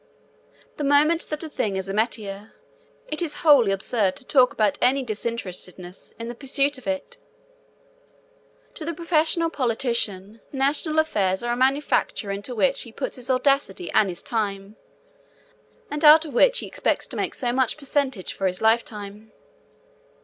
The moment that a thing is a metier, it is wholly absurd to talk about any disinterestedness in the pursuit of it. To the professional politician national affairs are a manufacture into which he puts his audacity and his time, and out of which he expects to make so much percentage for his lifetime.